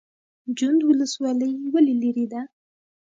جوند ولسوالۍ ولې لیرې ده؟